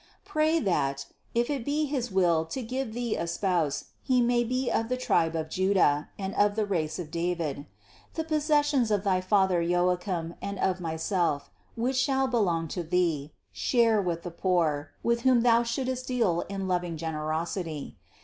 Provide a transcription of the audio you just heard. Pray that, if it be his will to give Thee a spouse, he may be of the tribe of Juda and of the race of David. The possessions of thy father Joachim and of myself, which shall belong to Thee, share with the poor, with whom thou shouldst deal in loving gen erosity.